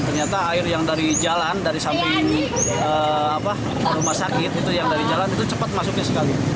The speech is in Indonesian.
ternyata air yang dari jalan dari samping rumah sakit itu yang dari jalan itu cepat masuknya sekali